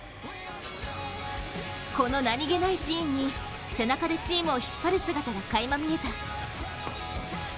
この何気ないシーンに背中でチームを引っ張る姿がかいま見えた。